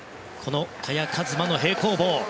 萱和磨の平行棒。